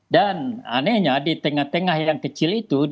dan anehnya di tengah tengah yang kecil itu